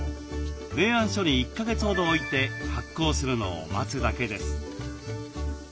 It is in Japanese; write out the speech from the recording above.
冷暗所に１か月ほど置いて発酵するのを待つだけです。